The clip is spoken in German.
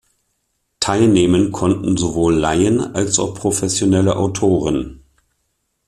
Teilnehmen konnten sowohl Laien als auch professionelle Autoren.